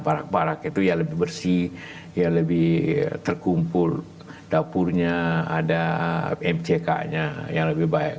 barak barak itu ya lebih bersih ya lebih terkumpul dapurnya ada mck nya yang lebih baik